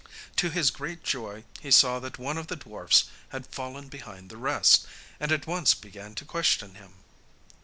To his great joy he saw that one of the dwarfs had fallen behind the rest, and at once began to question him.